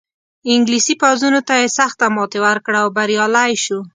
انګلیسي پوځونو ته یې سخته ماتې ورکړه او بریالی شو.